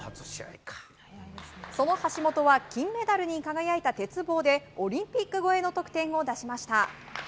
その橋本は金メダルに輝いた鉄棒でオリンピック超えの得点を出しました。